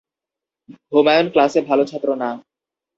হুমায়ূন ক্লাসে ভালো ছাত্র না।